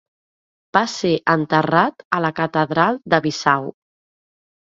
Va ser enterrat a la catedral de Bissau.